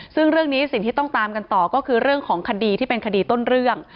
ซึ่งเรื่องนี้สิ่งที่ต้องตามกันต่อก็คือเรื่องของคดีที่เป็นคดีต้นเรื่อง